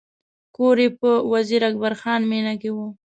کور یې په وزیر اکبر خان مېنه کې و.